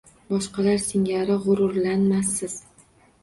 Boshqalar singari gururlanmassiz